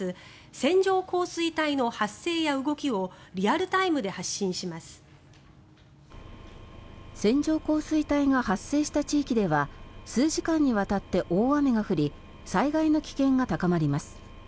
線状降水帯が発生した地域では数時間にわたって大雨が降り災害の危険が高まります。